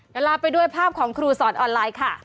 เดี๋ยวลาไปด้วยภาพของครูสอนออนไลน์ค่ะ